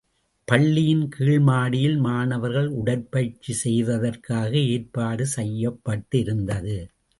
பள்ளியின் கீழ் மாடியில் மாணவர்கள் உடற்பயிற்சி செய்வதற்காக ஏற்பாடு செய்யப்பட்டிருந்தது.